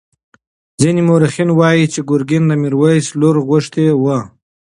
ځینې مورخین وایي چې ګرګین د میرویس لور غوښتې وه.